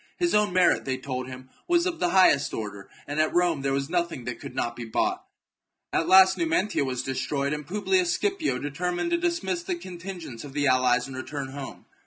His own merit, they told him, was of the highest order, and at Rome there was nothing that could not be bought. At last Numantia was destroyed, and Publius Scipio determined to dis miss the contingents of the allies and return home.